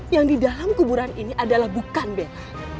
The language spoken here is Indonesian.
yang di dalam kuburan ini adalah bukan bel